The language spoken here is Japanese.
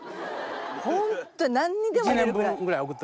ホント何にでも入れるぐらい。